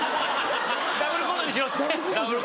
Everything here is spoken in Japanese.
「ダブルコートにしよう」って。